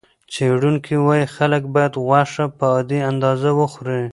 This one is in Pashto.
څېړونکي وايي خلک باید غوښه په عادي اندازه وخوري.